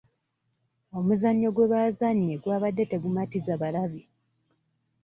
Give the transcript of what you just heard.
Omuzannyo gwe baazannye gwabadde tegumatiza balabi.